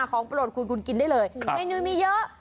ของป่ะโปรดครูกินได้เลยเมนูมีเยอะ